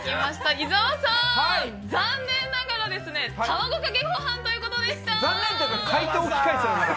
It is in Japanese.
伊沢さん、残念ながら卵かけご飯ということでした。